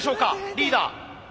リーダー。